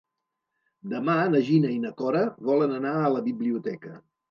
Demà na Gina i na Cora volen anar a la biblioteca.